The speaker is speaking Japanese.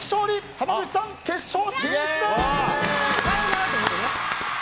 濱口さん、決勝進出です！